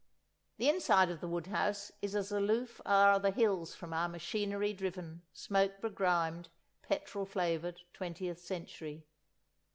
The inside of the wood house is as aloof as are the hills from our machinery driven, smoke begrimed, petrol flavoured twentieth century.